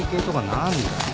何だよ。